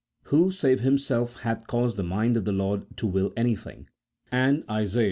who, save Him self, hath caused the mind of the Lord to will anything ? and Isa.